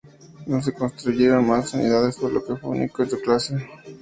No se construyeron mas unidades por lo que fue único en su clase.